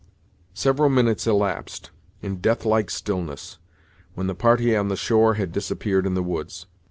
Several minutes elapsed, in death like stillness, when the party on the shore had disappeared in the woods.